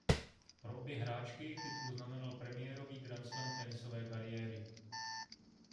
Pro obě hráčky titul znamenal premiérový grandslam tenisové kariéry.